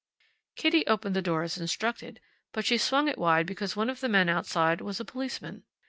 Kitty opened the door as instructed, but she swung it wide because one of the men outside was a policeman.